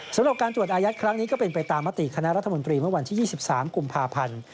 สำหรับการตรวจอายัดครั้งนี้ก็เป็นไปตามมติคณะรัฐมนตรีเมื่อวันที่๒๓กุมภาพันธ์